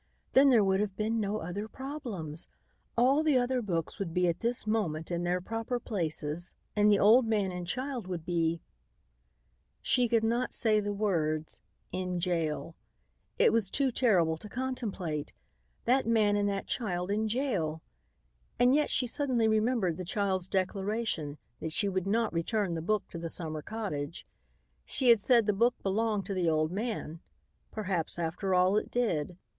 "Then there would have been no other problems. All the other books would be at this moment in their proper places and the old man and child would be " She could not say the words, "in jail." It was too terrible to contemplate! That man and that child in jail! And, yet, she suddenly remembered the child's declaration that she would not return the book to the summer cottage. She had said the book belonged to the old man. Perhaps, after all, it did.